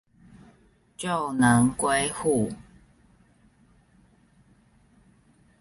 就能歸戶